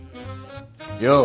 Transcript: よう。